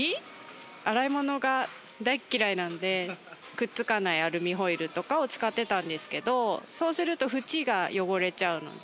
くっつかないアルミホイルとかを使ってたんですけどそうするとフチが汚れちゃうので。